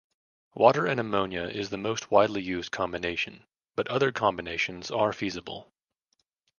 Water and ammonia is the most widely used combination, but other combinations are feasible.